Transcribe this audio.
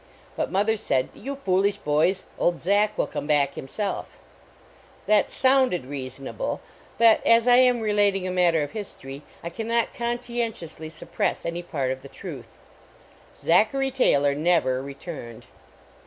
But mother said, " You foolish boys, old Zack will come back himself." That sounded ^reasonable, but as I am relating a matter of history I can not conscientiously 150 A NKK.HBORLY NEIGHBORHOOD suppre>s any part of the trutli " /aehary Taylor" never returned.